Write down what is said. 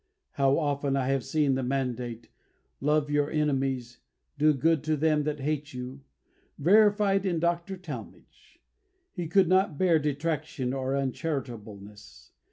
How often have I seen the mandate, "Love your enemies; do good to them that hate you," verified in Dr. Talmage. He could not bear detraction or uncharitableness.